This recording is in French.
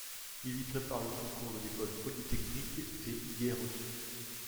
Il y prépare le concours de l'École polytechnique, et y est reçu.